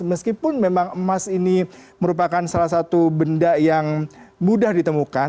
meskipun memang emas ini merupakan salah satu benda yang mudah ditemukan